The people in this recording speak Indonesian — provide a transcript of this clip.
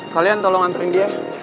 kalian tolong anterin dia